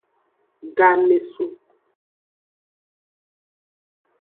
Game su.